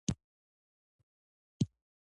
دا تحمیل د ښه او بد ژوند په اړه وي.